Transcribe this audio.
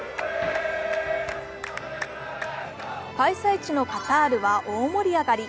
開催地のカタールは大盛り上がり。